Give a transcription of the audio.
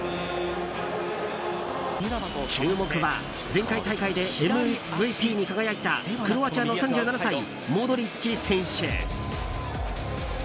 注目は前回大会でＭＶＰに輝いたクロアチアの３７歳モドリッチ選手。